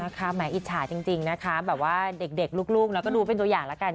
แหมอิจฉาจริงนะคะแบบว่าเด็กลูกเราก็รู้เป็นตัวอย่างแล้วกัน